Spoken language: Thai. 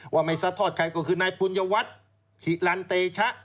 ว่าไม่ซัดทอดใครก็คือนายปุญญวัตรหิลันเตชะ